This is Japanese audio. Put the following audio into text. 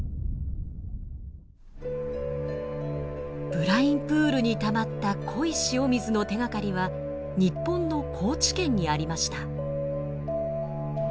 ブラインプールにたまった濃い塩水の手がかりは日本の高知県にありました。